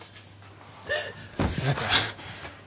全て。